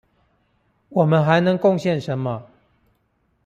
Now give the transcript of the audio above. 我們還能貢獻什麼？